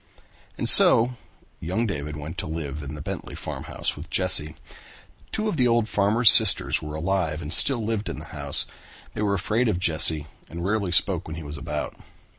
And so young David went to live in the Bentley farmhouse with Jesse. Two of the old farmer's sisters were alive and still lived in the house. They were afraid of Jesse and rarely spoke when he was about.